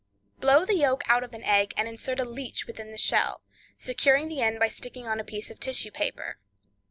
Blow the yolk out of an egg, and insert a leech within the shell, securing the end by sticking on a piece of tissue paper.